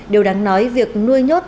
điều đáng nói việc nuôi nhốt